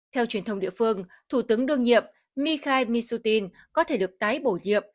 theo truyền thông địa phương thủ tướng đương nhiệm mikhail misutin có thể được tái bổ nhiệm